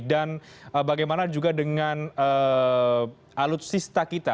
dan bagaimana juga dengan alutsista kita